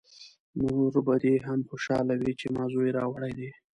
مور به دې هم خوشحاله وي چې ما زوی راوړی دی!